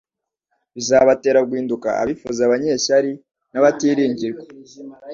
bizabatera guhinduka abifuza, abanyeshyari, n'abatiringirwa.